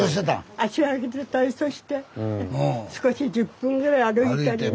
足上げて体操して少し１０分ぐらい歩いたりね。